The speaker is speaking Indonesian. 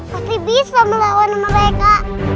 pasti bisa melawan mereka